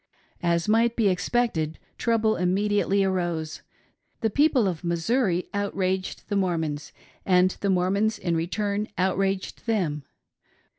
As might be expected, trouble immediately arose ; the peoplfe of Missouri outraged the Mormons, and the Mormons in return outraged them.